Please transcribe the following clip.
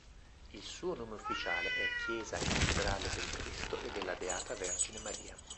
Il suo nome ufficiale è Chiesa cattedrale del Cristo e della Beata Vergine Maria.